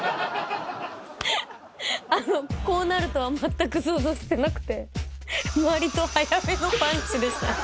こうなるとは全く想像してなくて、割りと早めのパンチでした。